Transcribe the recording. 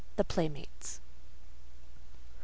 THE PLAYMATES. Mr.